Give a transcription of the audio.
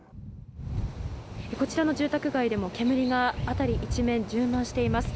こちらの住宅街でも煙が辺り一面、充満しています。